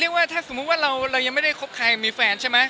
ว่าถ้าสมมุติว่าเรายังไม่ได้คบใครมีแฟนใช่ไหม